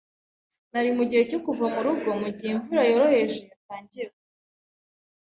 Nari mugihe cyo kuva murugo mugihe imvura yoroheje yatangiye kugwa.